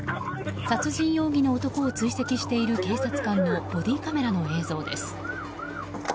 殺人容疑の男を追跡している警察官のボディーカメラの映像です。